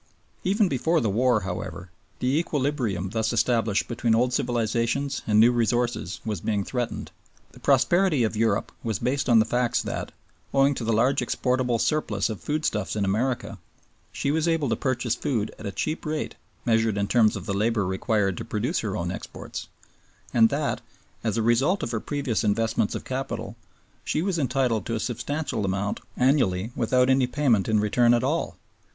Even before the war, however, the equilibrium thus established between old civilizations and new resources was being threatened. The prosperity of Europe was based on the facts that, owing to the large exportable surplus of foodstuffs in America, she was able to purchase food at a cheap rate measured in terms of the labor required to produce her own exports, and that, as a result of her previous investments of capital, she was entitled to a substantial amount annually without any payment in return at all.